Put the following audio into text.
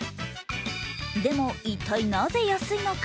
でも、一体なぜ安いのか。